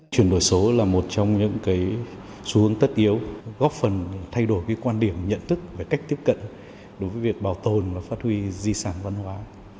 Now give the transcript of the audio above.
chuyển đổi số là một trong những xu hướng tất yếu góp phần thay đổi quan điểm nhận thức về cách tiếp cận đối với việc bảo tồn và phát huy di sản văn hóa